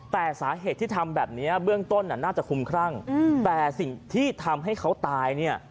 แต่สาเหตุที่ทำแบบนี้เบื้องต้นน่าจะคุ้มครั่งแต่สิ่งที่ทำให้เขาตายเนี่ย